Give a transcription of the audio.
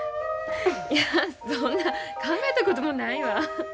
いやそんなん考えたこともないわ。